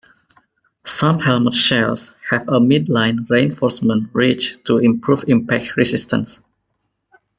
Some helmet shells have a mid-line reinforcement ridge to improve impact resistance.